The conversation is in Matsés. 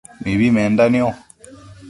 mibi menda nio